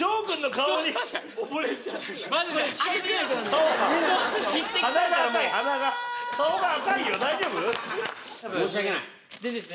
顔が赤いよ大丈夫？